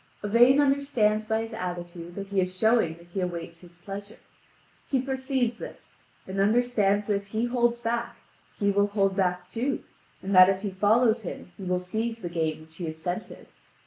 Yvain understands by his attitude that he is showing that he awaits his pleasure. He perceives this and understands that if he holds back he will hold back too, and that if he follows him he will seize the game which he has scented.